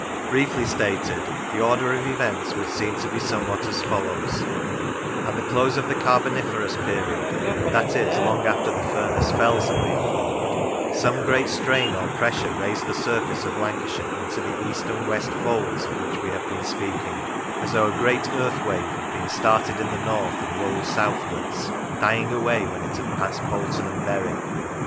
Briefly stated, the order of events would seem to be somewhat as follows: At the close of the Carboniferous period that is, long after the Furness fells had been formed some great strain or pressure 29 Lancashire raised the surface of Lancashire into trie east and west folds of which we have been speaking, as though a great earth wave had been started in the north and rolled southwards, dying away when it had passed Bolton and Bury.